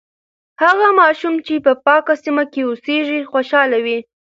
هغه ماشوم چې په پاکه سیمه کې اوسیږي، خوشاله وي.